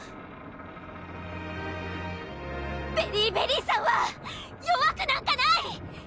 ベリィベリーさんは弱くなんかない！